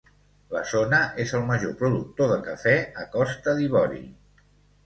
La zona és el major productor de cafè a Costa d'Ivori.